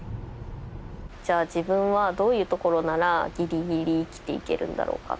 じゃあ自分はどういうところならギリギリ生きていけるんだろうか？